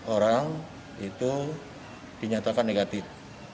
empat orang itu dinyatakan negatif